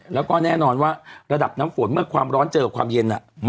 แล้วก็แน่นอนว่าระดับน้ำฝนเมื่อความร้อนเจอความเย็น